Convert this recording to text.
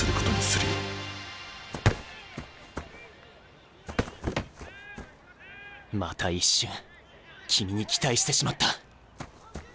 心の声また一瞬君に期待してしまった！